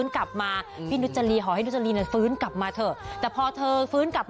กลับมาพี่นุจรีจะหอยกล้อง